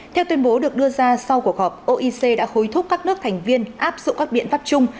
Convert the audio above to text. theo tuyên bố được đưa ra sau cuộc họp oec đã hối thúc các nước thành viên áp dụng các biện pháp chung